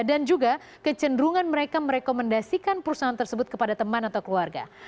dan juga kecenderungan mereka merekomendasikan perusahaan tersebut kepada teman atau keluarga